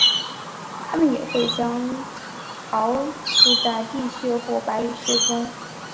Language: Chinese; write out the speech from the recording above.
它们也会将巢筑在地穴或白蚁丘中。